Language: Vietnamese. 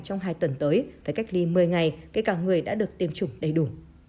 trong hai tuần tới phải cách ly một mươi ngày kể cả người đã được tiêm chủng đầy đủ